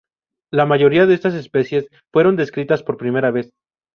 La mayoría de estas especies fueron descritas por primera vez.